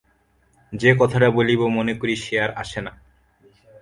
যে কথাটা বলিব মনে করি সে আর আসে না।